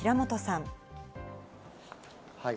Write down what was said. はい。